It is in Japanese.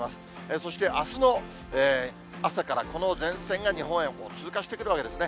そしてあすの朝からこの前線が日本へ通過してくるわけですね。